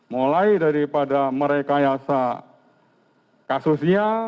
mulai daripada merekayasa kasusnya